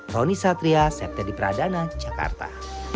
roni satria september di pradana jakarta